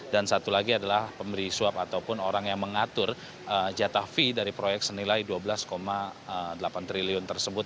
dan satu lagi adalah pemberi suap ataupun orang yang mengatur jatah fee dari proyek senilai dua belas delapan triliun tersebut